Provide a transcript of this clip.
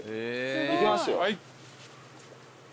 行きますよ。